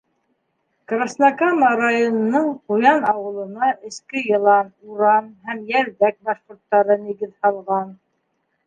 Краснокама районының Ҡуян ауылына эске йылан, уран һәм йәлдәк башҡорттары нигеҙ һалған.